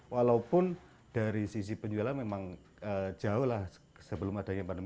walaupun dari sisi penjualan memang jauh lah sebelum adanya pandemi